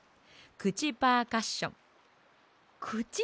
くちパーカッション！